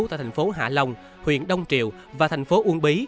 tại thành phố hạ long huyện đông triều và thành phố uông bí